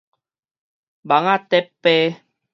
蠓仔咧飛